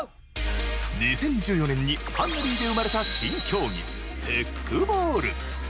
２０１４年にハンガリーで生まれた新競技テックボール。